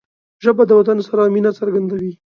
ژبه د وطن سره مینه څرګندوي